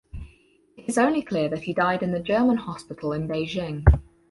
It is only clear that he died in the German Hospital in Beijing.